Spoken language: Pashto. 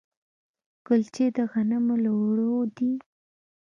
کلچې د غنمو له اوړو دي.